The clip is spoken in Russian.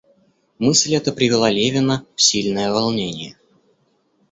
Мысль эта привела Левина в сильное волнение.